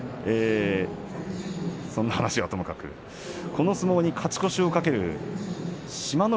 そんな話は、ともかくこの相撲に勝ち越しを懸ける志摩ノ